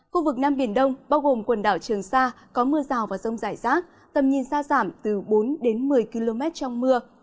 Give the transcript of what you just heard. khu vực nam biển đông bao gồm quần đảo trường sa có mưa rào và rông rải rác tầm nhìn xa giảm từ bốn đến một mươi km trong mưa